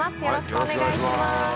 よろしくお願いします。